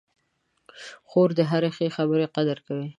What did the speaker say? خور د هرې ښې خبرې قدر کوي.